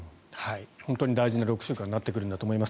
本当に大事な６週間になってくるんだと思います。